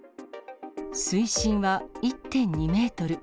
水深は１．２メートル。